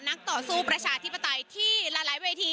ต่อสู้ประชาธิปไตยที่หลายเวที